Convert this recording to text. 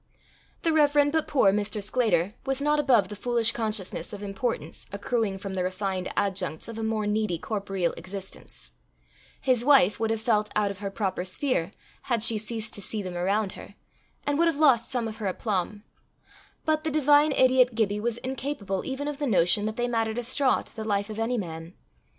The reverend but poor Mr. Sclater was not above the foolish consciousness of importance accruing from the refined adjuncts of a more needy corporeal existence; his wife would have felt out of her proper sphere had she ceased to see them around her, and would have lost some of her aplomb; but the divine idiot Gibbie was incapable even of the notion that they mattered a straw to the life of any man.